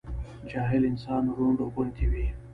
جاهل انسان رونډ غوندي وي